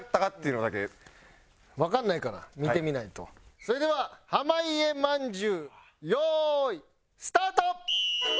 それでは濱家まんじゅう用意スタート！